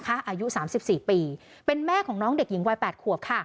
อายุ๓๔ปีเป็นแม่ของน้องเด็กหญิงวัย๘ขวบค่ะ